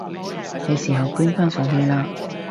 係時候捐返上去喇！